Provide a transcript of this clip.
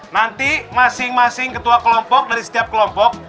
nanti masing masing ketua kelompok dari setiap kelompok